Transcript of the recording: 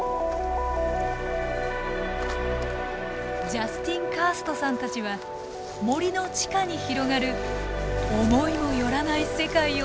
ジャスティン・カーストさんたちは森の地下に広がる思いも寄らない世界を突き止めました。